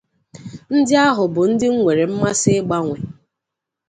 Ndi ahu bu ndi m nwere mmasi igbanwe.